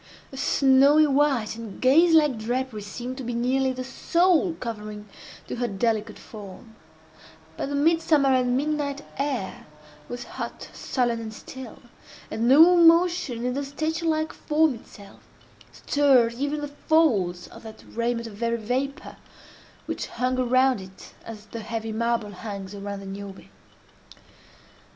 A snowy white and gauze like drapery seemed to be nearly the sole covering to her delicate form; but the mid summer and midnight air was hot, sullen, and still, and no motion in the statue like form itself, stirred even the folds of that raiment of very vapor which hung around it as the heavy marble hangs around the Niobe.